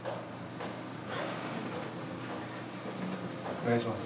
お願いします。